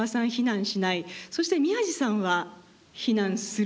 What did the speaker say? そして宮地さんは避難する。